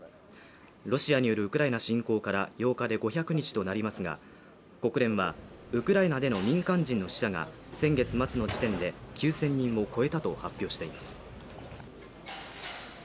ロシアによるウクライナ侵攻から８日で５００日となりますが、国連はウクライナでの民間人の死者が先月末の時点で９０００人を超えたと発表しています。